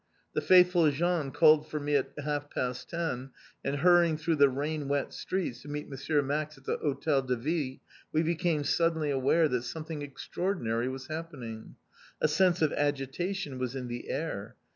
The faithful Jean called for me at half past ten, and hurrying through the rain wet streets to meet M. Max at the Hotel de Ville, we became suddenly aware that something extraordinary was happening. A sense of agitation was in the air.